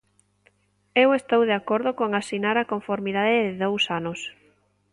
Eu estou de acordo con asinar a conformidade de dous anos.